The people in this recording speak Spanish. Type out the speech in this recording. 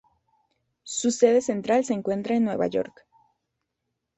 Su sede central se encuentra en Nueva York.